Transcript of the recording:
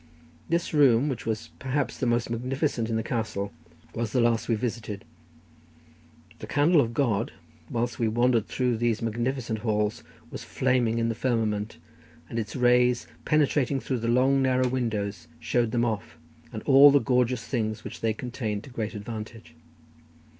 This room, which was perhaps the most magnificent in the castle, was the last we visited. The candle of God whilst we wandered through these magnificent halls was flaming in the firmament, and its rays penetrating through the long, narrow windows, showed them off, and all the gorgeous things which they contained, to great advantage.